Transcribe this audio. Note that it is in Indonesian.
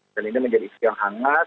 dan ini menjadi isu yang hangat